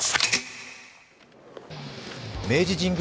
明治神宮